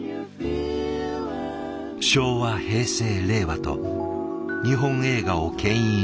昭和平成令和と日本映画をけん引し続けた男